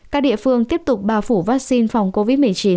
các địa phương tiếp tục bao phủ vaccine phòng covid một mươi chín